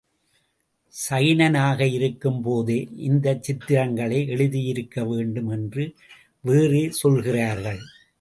ஜைனனாக இருக்கும் போதே இந்தச் சித்திரங்களை எழுதியிருக்க வேண்டும் என்று வேறே சொல்கிறார்கள்.